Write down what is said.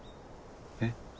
えっ？